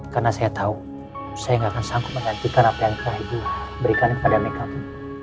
karena saya tahu saya tidak akan sanggup menantikan apa yang telah ibu berikan kepada mekamu